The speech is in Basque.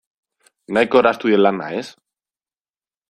Nahiko erraztu diet lana, ez?